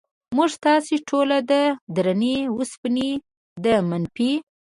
موږ تاسې ټول د درنې وسپنې د منفي